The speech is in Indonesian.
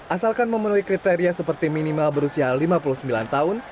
asalkan memenuhi kriteria seperti minimal berusia lima puluh sembilan tahun